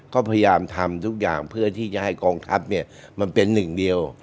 ก็พยายามทำทุกอย่างเพื่อที่จะให้กองทัพเนี่ยมันเป็นหนึ่งเดียว